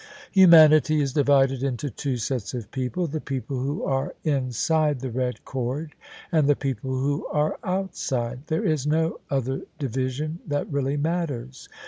Humanity is divided into two sets of people: the people who are inside the red cord and the people who are outside: there is no other division that really matters.